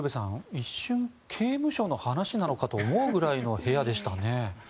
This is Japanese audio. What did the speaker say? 一瞬、刑務所の話なのかと思うくらいの部屋でしたね。